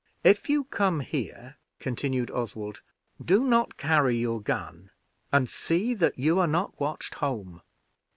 "If you come here," continued Oswald, "do not carry your gun and see that you are not watched home.